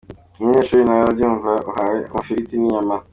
Nk’umunyeshuri nawe urabyumva uhawe amafiriti n’inyama.